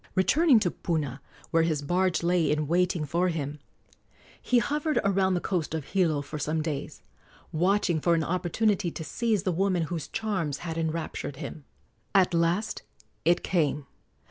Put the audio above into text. Returning to Puna, where his barge lay in waiting for him, he hovered around the coast of Hilo for some days, watching for an opportunity to seize the woman whose charms had enraptured him. At last it came.